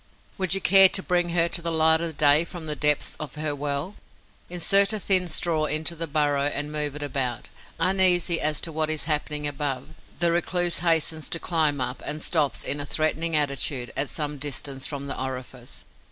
Would you care to bring her to the light of day from the depths of her well? Insert a thin straw into the burrow and move it about. Uneasy as to what is happening above, the recluse hastens to climb up and stops, in a threatening attitude, at some distance from the orifice.